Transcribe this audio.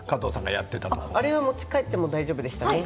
あれは持ち帰っても大丈夫でしたね。